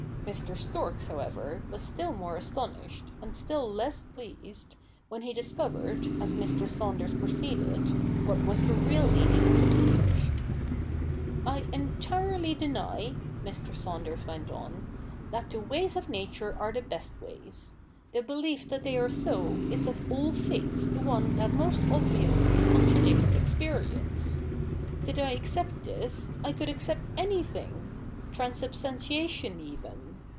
Mr. Storks, however, was still more astonished, and still less pleased, when he discovered, as Mr. Saunders proceeded, what was the real meaning of his speech. * I entirely deny,' Mr. Saunders went on, ' that the ways of Nature are the best ways. The belief that they CH. ii] THE NEW REPUBLIC 95 are so is of all faiths the one that most obviously con tradicts experience. Did I accept this, I could accept anything — Transubstantiation even.